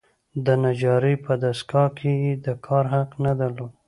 د نجارۍ په دستګاه کې یې د کار حق نه درلود.